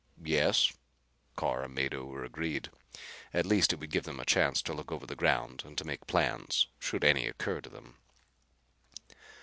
"Yes." Carr and Mado were agreed. At least it would give them a chance to look over the ground and to make plans, should any occur to them.